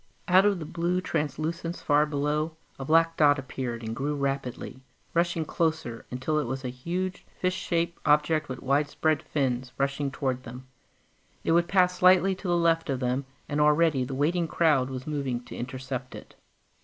Out of the blue translucence far below, a black dot appeared and grew rapidly, rushing closer until it was a huge fish shaped object with widespread fins, rushing towards them. It would pass slightly to the left of them, and already the waiting crowd was moving to intercept it.